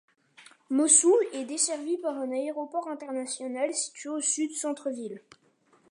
Mossoul est desservie par un aéroport international situé au sud centre-ville.